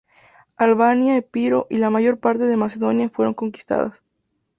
Albania, Epiro y la mayor parte de Macedonia fueron conquistadas.